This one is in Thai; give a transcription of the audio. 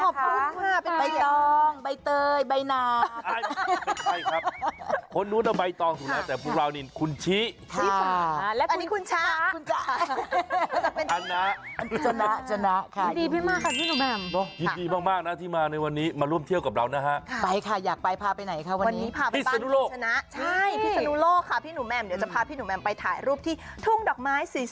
สวัสดีค่ะสวัสดีค่ะสวัสดีค่ะสวัสดีค่ะสวัสดีค่ะสวัสดีค่ะสวัสดีค่ะสวัสดีค่ะสวัสดีค่ะสวัสดีค่ะสวัสดีค่ะสวัสดีค่ะสวัสดีค่ะสวัสดีค่ะสวัสดีค่ะสวัสดีค่ะสวัสดีค่ะสวัสดีค่ะสวัสดีค่ะสวัสดีค่ะสวัสดีค่ะสวัสดีค่ะ